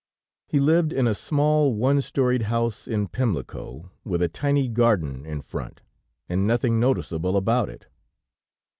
He lived in a small, one storied house in Pimlico, with a tiny garden in front, and nothing noticeable about it.